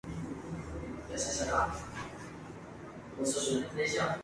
Estudió en Cornell University.